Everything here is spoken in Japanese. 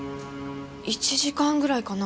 １時間ぐらいかなあ。